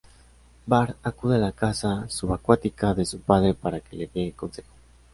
Bart acude a la casa subacuática de su padre para que le de consejo.